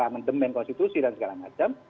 amandemen konstitusi dan segala macam